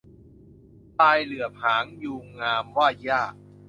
ทรายเหลือบหางยูงงาม ว่าหญ้า